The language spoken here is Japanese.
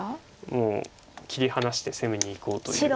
もう切り離して攻めにいこうという。